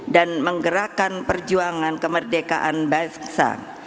menggerakkan perjuangan kemerdekaan bangsa